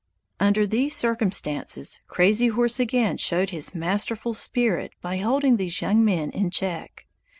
Under these circumstances Crazy Horse again showed his masterful spirit by holding these young men in check.